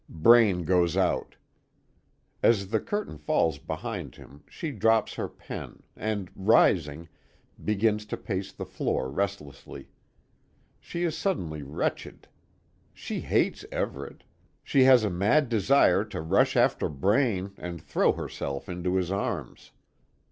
Braine goes out. As the curtain falls behind him she drops her pen, and rising, begins to pace the floor restlessly. She is suddenly wretched. She hates Everet. She has a mad desire to rush after Braine, and throw herself into his arms.